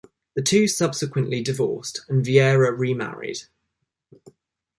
The two subsequently divorced and Viera remarried.